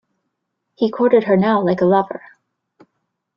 He courted her now like a lover.